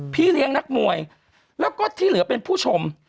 พี่เลี้ยงนักมวยแล้วก็ที่เหลือเป็นผู้ชม